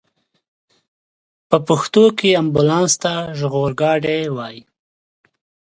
په پښتو کې امبولانس ته ژغورګاډی وايي.